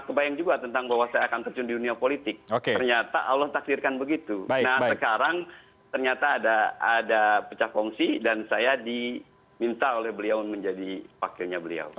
saya mungkin tidak bisa menanggapi dirana itu